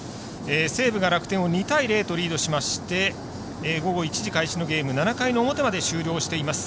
西武が楽天を２対０とリードしまして午後１時開始のゲーム７回の表まで終了しています。